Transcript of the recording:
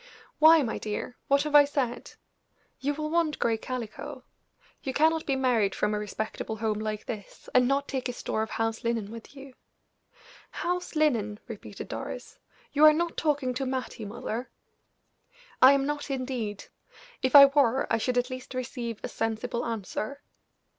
"Why, my dear? What have I said? You will want gray calico. You cannot be married from a respectable home like this, and not take a store of house linen with you." "House linen!" repeated Doris. "You are not talking to Mattie, mother." "I am not, indeed; if I were, I should at least receive a sensible answer.